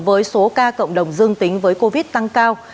với số ca cộng đồng dương tính với covid tăng cao